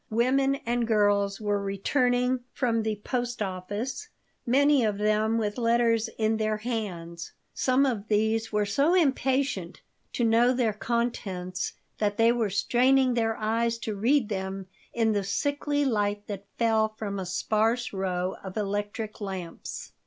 Women and girls were returning from the post office, many of them with letters in their hands. Some of these were so impatient to know their contents that they were straining their eyes to read them in the sickly light that fell from a sparse row of electric lamps.